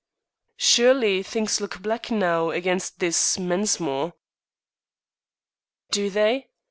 "Surely things look black now against this Mensmore?" "Do they?